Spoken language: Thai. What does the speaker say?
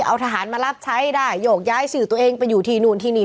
เอาทหารมารับใช้ได้โยกย้ายสื่อตัวเองไปอยู่ที่นู่นที่นี่